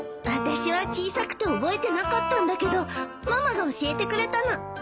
私は小さくて覚えてなかったんだけどママが教えてくれたの。